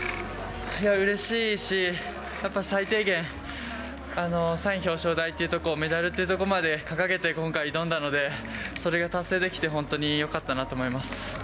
うれしいし、やっぱ最低限、３位表彰台というところを、メダルというところまで掲げて今回、挑んだので、それが達成できて、本当によかったなと思います。